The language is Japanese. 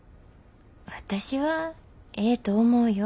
私はええと思うよ。